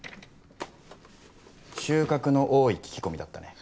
収穫の多い聞き込みだったね。